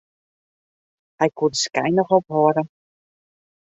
Hy koe de skyn noch ophâlde.